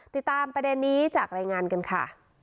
ติดตามประเด็นนี้จากรายงานกันค่ะ